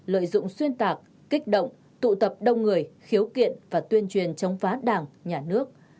lợi dụng xuyên tạc kích động tụ tập đông người khiếu kiện và tuyên truyền chống phá đảng nhà nước